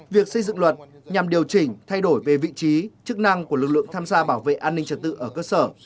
việc xây dựng luật nhằm điều chỉnh thay đổi về vị trí chức năng của lực lượng tham gia bảo vệ an ninh trật tự ở cơ sở